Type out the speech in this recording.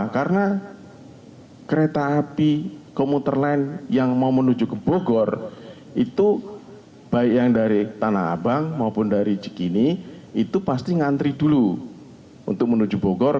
karena kereta api komuter lain yang mau menuju ke bogor itu baik yang dari tanah abang maupun dari jikini itu pasti ngantri dulu untuk menuju bogor